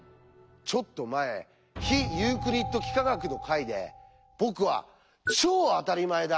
ちょっと前「非ユークリッド幾何学」の回で僕は「超当たり前だ！」